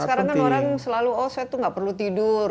karena sekarang orang selalu oh saya itu gak perlu tidur